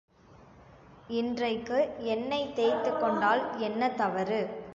இன்றைக்கு எண்ணெய் தேய்த்துக்கொண்டால் என்ன தவறு?